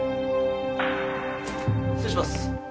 失礼します。